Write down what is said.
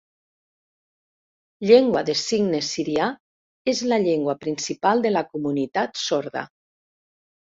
Llengua de Signe sirià és la llengua principal de la comunitat sorda.